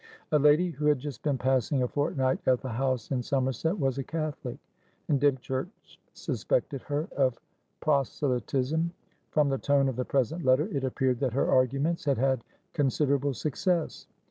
A lady who had just been passing a fortnight at the house in Somerset was a Catholic, and Dymchurch suspected her of proselytism; from the tone of the present letter it appeared that her arguments had had considerable success.